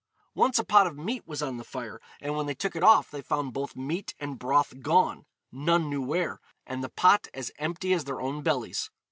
Once a pot of meat was on the fire, and when they took it off they found both meat and broth gone, none knew where, and the pot as empty as their own bellies.